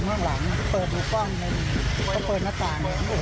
เมื่อหลังเปิดดูกล้องก็เปิดหน้าต่างโอ้โหเห็นเป็นที่เลย